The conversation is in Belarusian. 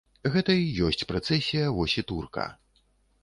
Гэта і ёсць прэцэсія восі турка.